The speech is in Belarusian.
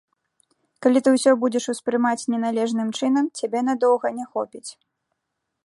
Калі ты ўсё будзеш успрымаць неналежным чынам, цябе надоўга не хопіць.